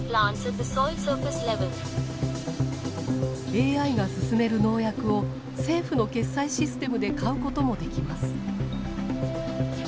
ＡＩが薦める農薬を政府の決済システムで買うこともできます。